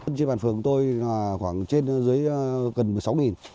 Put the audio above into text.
trên bàn phường tôi khoảng trên dưới gần một mươi sáu